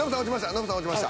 ノブさん落ちました。